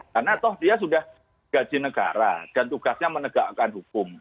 karena toh dia sudah gaji negara dan tugasnya menegakkan hukum